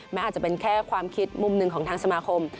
อาจจะเป็นแค่ความคิดมุมหนึ่งของทางสมาคม